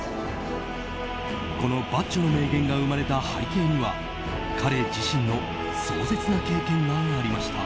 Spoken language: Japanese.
このバッジョの名言が生まれた背景には彼自身の壮絶な経験がありました。